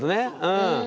うん。